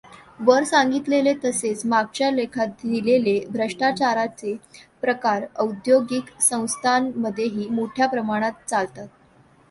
वर सागिंतलेले तसेच मागच्या लेखात दिलेले भ्रष्टाचाराचे प्रकार औद्यागिक संस्थांमध्येही मोठ्या प्रमाणावर चालतात.